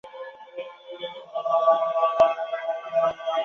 亚兹德省是伊朗三十一个省份之一。